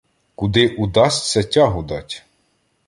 Куди удасться тягу дать.